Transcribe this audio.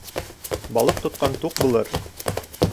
Балыҡ тотҡан туҡ булыр